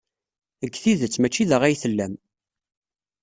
Deg tidet, maci da ay tellam.